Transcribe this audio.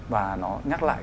và nó nhắc lại